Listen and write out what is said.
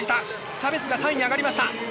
チャベスが３位に上がりました！